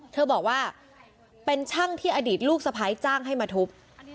เธอบอกว่าเป็นช่างที่อดีตลูกสะพ้ายจ้างให้มาทุบ